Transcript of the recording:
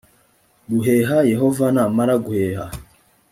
guheha: yehova namara guheha